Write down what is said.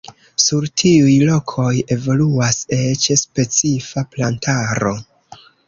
Sur tiuj lokoj evoluas eĉ specifa plantaro.